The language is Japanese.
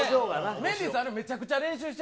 メンディーさん、あれ、めちゃくちゃ練習してて。